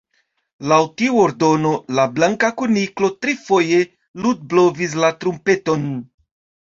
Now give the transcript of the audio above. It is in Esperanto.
Laŭ tiu ordono, la Blanka Kuniklo trifoje ludblovis la trumpeton.